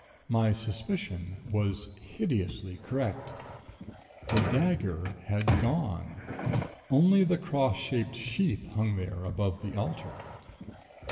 My suspicion was hideously correct. The dagger had gone. Only the cross shaped sheath hung there above the altar.